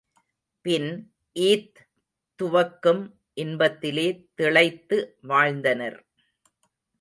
பின் ஈத் துவக்கும் இன்பத்திலே திளைத்து வாழ்ந்தனர்.